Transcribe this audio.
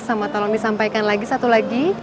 sama tolong disampaikan lagi satu lagi